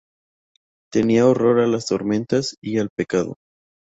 Tenía horror a las tormentas y al pecado.